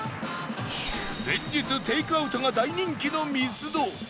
連日テイクアウトが大人気のミスド